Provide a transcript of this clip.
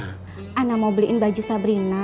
saya mau belikan baju sabrina